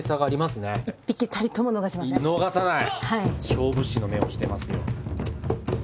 勝負師の目をしてますよ。